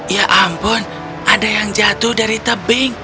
ya ampun ada yang jatuh dari tebing